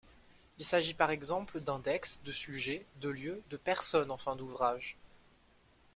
Il s'agit par exemple d'index de sujets, de lieux, de personnes en fin d'ouvrage.